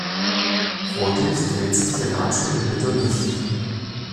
Folglich dreht sich die Ratsche im Mittel nicht.